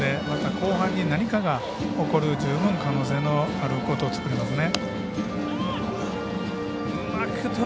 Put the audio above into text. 後半に何かが起こる十分、可能性があることを作りますね。